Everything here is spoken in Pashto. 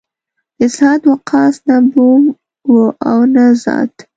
د سعد وقاص نه بوم و او نه زاد.